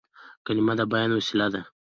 کلیمه د بیان وسیله ده.